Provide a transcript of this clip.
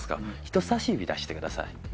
人さし指出してください。